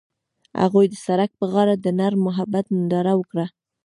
هغوی د سړک پر غاړه د نرم محبت ننداره وکړه.